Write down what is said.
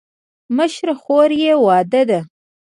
مشره خور یې واده ده.